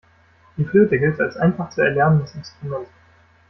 Die Flöte gilt als einfach zu erlernendes Instrument.